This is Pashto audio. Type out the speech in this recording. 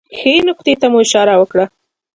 ښې نکتې ته مو اشاره کړې